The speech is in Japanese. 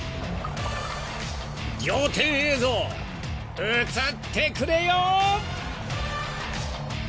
［仰天映像映ってくれよ！］